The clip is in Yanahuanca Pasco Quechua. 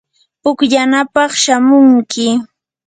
pukllanapaq shamunki.